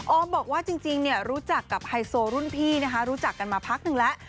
อมบอกว่าจริงรู้จักกับไฮโซรุ่นพี่นะคะรู้จักกันมาพักนึงแล้ว